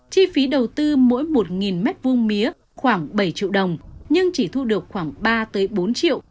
chi phí đầu tư mỗi một m hai mía khoảng bảy triệu đồng nhưng chỉ thu được khoảng ba bốn triệu